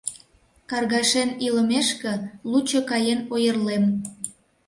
Каргашен илымешке, лучо каен ойырлем...